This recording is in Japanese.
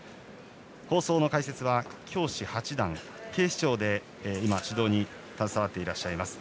放送の解説は教士八段警視庁で指導に携わっていらっしゃいます